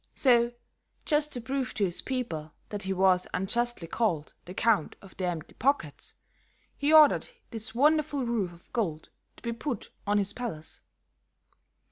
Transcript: So, just to prove to his people that he was unjustly called the Count of the Empty Pockets, he ordered this wonderful roof of gold to be put on his palace.